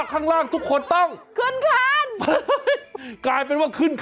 ปาเลว